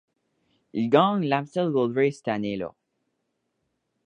Il gagne l'Amstel Gold Race cette année-là.